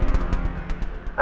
di rumah papa